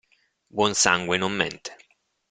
Buon sangue non mente.